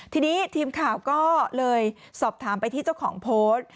ทีนี้ทีมข่าวก็เลยสอบถามไปที่เจ้าของโพสต์